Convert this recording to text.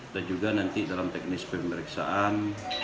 dan juga nanti dalam teknis pemeriksaan